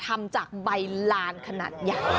ทำจากใบลานขนาดใหญ่